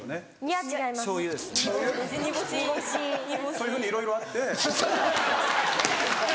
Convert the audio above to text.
そういうふうにいろいろあって。